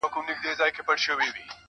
ستا د قاتل حُسن منظر دی، زما زړه پر لمبو.